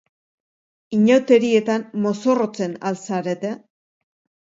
Inauterietan mozorrotzen al zarete?